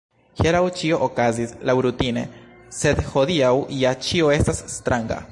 Hieraŭ ĉio okazis laŭrutine, sed hodiaŭ ja ĉio estas stranga!